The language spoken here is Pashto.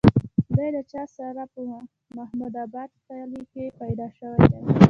دے د چارسرې پۀ محمود اباد کلي کښې پېدا شوے دے